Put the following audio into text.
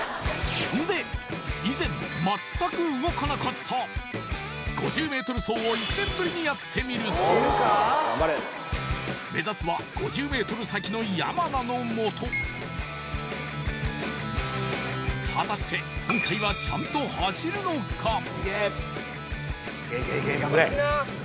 以前まったく動かなかった５０ｍ走を１年ぶりにやってみると目指すは５０ｍ先の山名のもと果たして今回はちゃんと走るのか？